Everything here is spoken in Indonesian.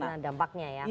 nah dampaknya ya